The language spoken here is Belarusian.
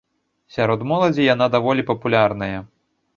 Сярод моладзі яна даволі папулярная.